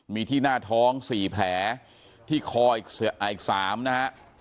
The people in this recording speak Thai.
มีที่หน้าท้อง๔แผลที่คออีก๓นะฮะ